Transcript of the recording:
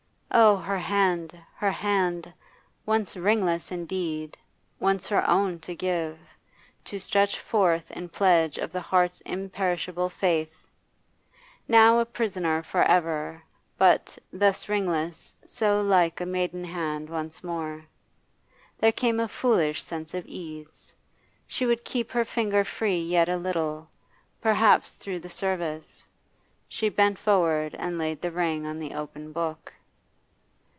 Oh, her hand, her hand! Once ringless indeed, once her own to give, to stretch forth in pledge of the heart's imperishable faith! Now a prisoner for ever; but, thus ringless, so like a maiden hand once more. There came a foolish sense of ease. She would keep her finger free yet a little, perhaps through the service. She bent forward and laid the ring on the open book.